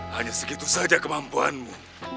hanya segitu saja kemampuanmu